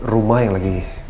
rumah yang lagi